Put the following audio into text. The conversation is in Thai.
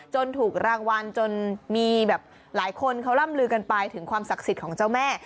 ถูกรางวัลจนมีแบบหลายคนเขาร่ำลือกันไปถึงความศักดิ์สิทธิ์ของเจ้าแม่